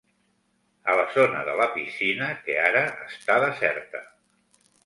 A la zona de la piscina, que ara està deserta.